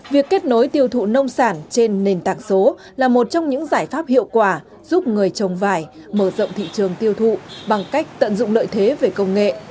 việc kết nối tiêu thụ nông sản trên nền tảng số là một trong những giải pháp hiệu quả giúp người trồng vải mở rộng thị trường tiêu thụ bằng cách tận dụng lợi thế về công nghệ